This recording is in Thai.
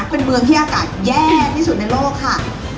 เป็นเมืองที่อากาศแย่ที่สุดในโลกค่ะ